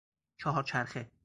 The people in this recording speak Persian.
چهار چرخه